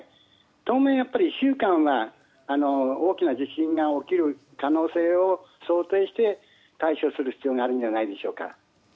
当面１週間は大きな地震が起きる可能性を想定して対処する必要があるんじゃないでしょうか。